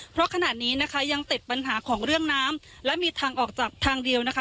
เพราะขณะนี้นะคะยังติดปัญหาของเรื่องน้ำและมีทางออกจากทางเดียวนะคะ